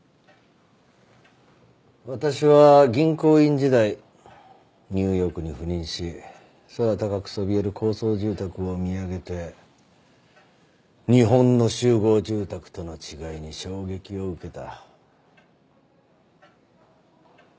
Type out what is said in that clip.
私は銀行員時代ニューヨークに赴任し空高くそびえる高層住宅を見上げて日本の集合住宅との違いに衝撃を受けた。